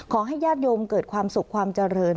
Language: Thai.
ขอให้ยาดโยมเกิดความสุขความเจริญ